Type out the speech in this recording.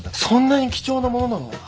そんなに貴重なものなの？